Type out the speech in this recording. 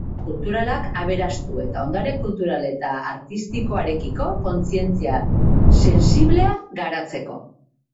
Beraien errekurtso kulturalak aberastu eta ondare kultural eta artistikoarekiko kontzientzia sensiblea garatzeko.